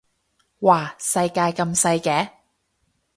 嘩世界咁細嘅